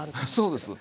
そうです。